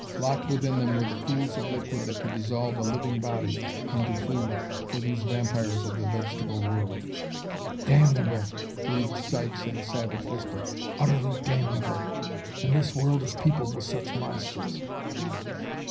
Locked within them were the pools of liquid that could dissolve a living body into food for these vampires of the vegetable world. "Damnable!" breathed Sykes in a savage whisper. "Utterly damnable! And this world is peopled with such monsters!"